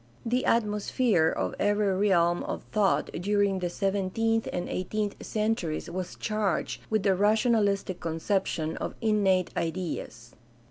The atmosphere of every realm of thought during the seventeenth and eighteenth centuries was charged with the rationahstic conception of "innate ideas."